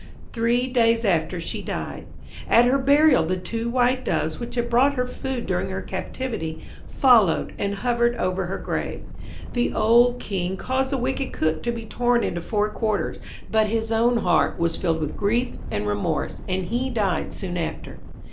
Three days after she died. At her burial the two white Doves which had brought her food during her captivity, followed and hovered over her grave. The old King caused the wicked Cook to be torn into four quarters; but his own heart was filled with grief and remorse, and he died soon after.